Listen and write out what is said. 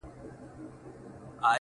او توري څڼي به دي-